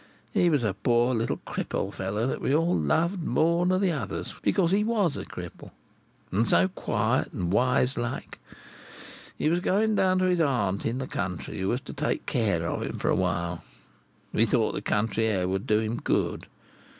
He was a poor little cripple fellow that we all loved more nor the others, because he was a cripple, and so quiet, and wise like. He was going down to his aunt in the country, who was to take care of him for a while. We thought the country air would do him good.